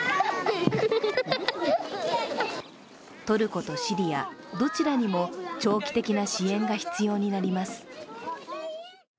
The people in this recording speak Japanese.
トルコとシリア、どちらにも長期的な支援が必要になります。